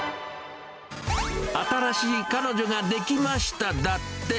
新しい彼女ができましただって。